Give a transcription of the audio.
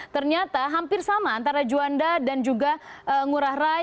ternyata hampir sama antara juanda dan juga ngurah rai